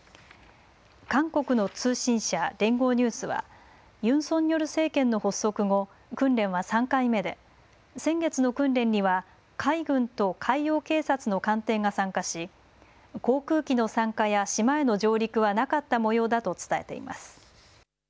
韓国の通信社、連合ニュースはユン・ソンニョル政権の発足後、訓練は３回目で先月の訓練には海軍と海洋警察の艦艇が参加し、航空機の参加や島への上陸はなかったもようだと伝えています。